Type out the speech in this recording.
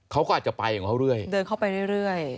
เขาก็อาจจะไปของเขาเรื่อยเดินเข้าไปเรื่อย